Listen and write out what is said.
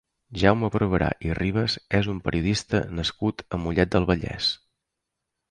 Jaume Barberà i Ribas és un periodista nascut a Mollet del Vallès.